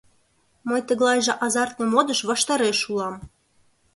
Мый тыглайже азартный модыш ваштареш улам.